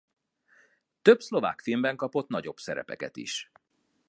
Több szlovák filmben kapott nagyobb szerepeket is.